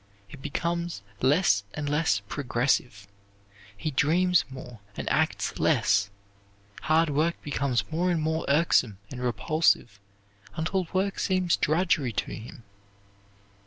He becomes less and less progressive. He dreams more and acts less. Hard work becomes more and more irksome and repulsive, until work seems drudgery to him.